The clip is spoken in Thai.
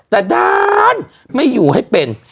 แต่ด้านไม่อยู่ให้เป็น